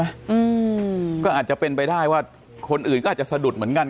อืมก็อาจจะเป็นไปได้ว่าคนอื่นก็อาจจะสะดุดเหมือนกัน